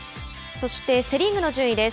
そしてセ・リーグの順位です。